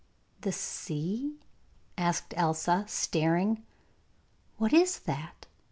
'The sea?' asked Elsa, staring; 'what is that?